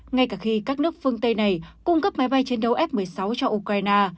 ngay cả khi các nước phương tây này cung cấp máy bay chiến đấu f một mươi sáu cho ukraine